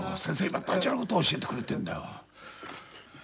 今大事なこと教えてくれてんだよ。